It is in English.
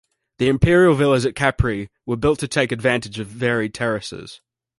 The imperial villas at Capri were built to take advantage of varied terraces.